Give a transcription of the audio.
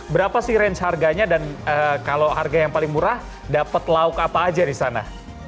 berapa sih range harganya dan kalau harga yang paling murah dapat lauk apa aja di sana